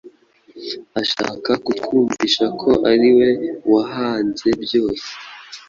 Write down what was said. ashaka kutwumvisha ko ari we wahanze byose.